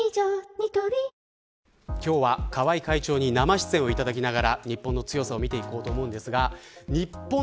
ニトリ今日は川合会長に生出演をいただきながら日本の強さを見ていこうと思います。